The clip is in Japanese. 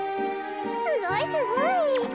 すごいすごい。